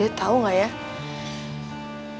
mereka pasti udah janji